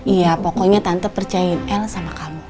iya pokoknya tante percaya el sama kamu